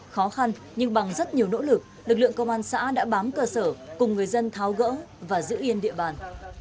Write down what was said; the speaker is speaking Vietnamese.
khó khăn nhưng bằng rất nhiều nỗ lực lực lượng công an xã đã bám cơ sở cùng người dân tháo gỡ và giữ yên địa bàn